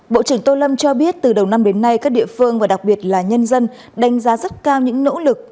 bộ trưởng tô lâm cho biết từ đầu năm đến nay các địa phương và đặc biệt là nhân dân đánh giá rất cao những nỗ lực